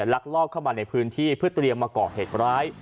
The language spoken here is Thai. ลักลอบเข้ามาในพื้นที่เพื่อเตรียมมาก่อเหตุร้าย